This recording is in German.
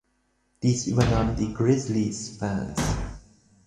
Dies übernahmen die "Grizzlies"-Fans.